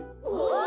ああ。